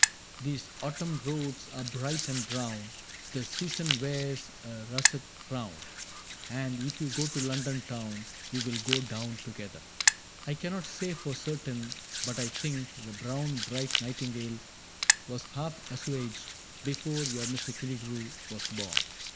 *—* These autumn roads are bright and brown^ The season wears a russet crown ; jfnd if you go to London Town^ JVe *U go down together, *^ I cannot say for certain, but I think The brown bright nightingale was half assuaged Before your Mr. Killigrew was born.